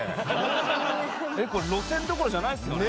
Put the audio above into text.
えっこれ路線どころじゃないですよね。